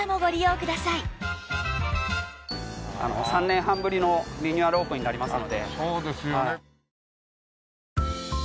３年半ぶりのリニューアルオープンになりますので。